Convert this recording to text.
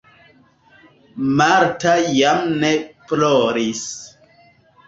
Marta jam ne ploris.